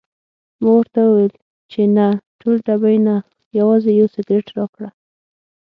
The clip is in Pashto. ما ورته وویل چې نه ټول ډبې نه، یوازې یو سګرټ راکړه.